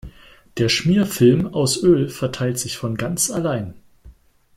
Der Schmierfilm aus Öl verteilt sich von ganz allein.